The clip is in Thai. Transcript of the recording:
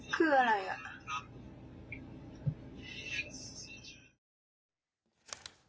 คืออะไรอ่ะ